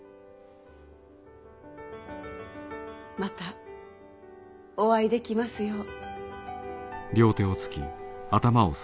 またお会いできますよう。